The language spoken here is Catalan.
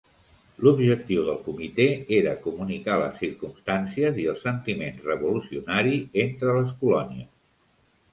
L"objectiu del comitè era comunicar les circumstàncies i el sentiment revolucionari entre les colònies.